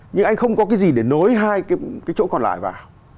nhưng anh không có cái gì để nối hai cái chỗ còn lại vào